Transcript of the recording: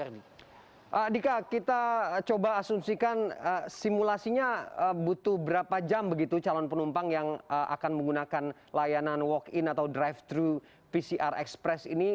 dika kita coba asumsikan simulasinya butuh berapa jam begitu calon penumpang yang akan menggunakan layanan walk in atau drive thru pcr express ini